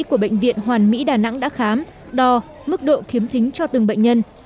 của bệnh viện hoàn mỹ đà nẵng đã khám đo mức độ khiếm thính cho từng bệnh nhân